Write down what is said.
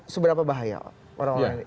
seberapa bahaya orang orang ini